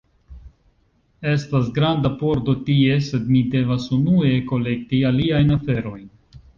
Estas granda pordo tie, sed mi devas unue kolekti aliajn aferojn.